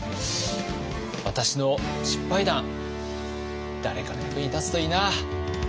私の失敗談誰かの役に立つといいな。